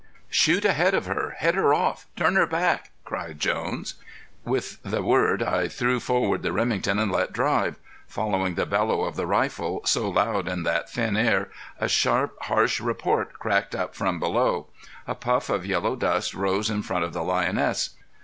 "Shoot ahead of her! Head her off! Turn her back!" cried Jones. With the word I threw forward the Remington and let drive. Following the bellow of the rifle, so loud in that thin air, a sharp, harsh report cracked up from below. A puff of yellow dust rose in front of the lioness.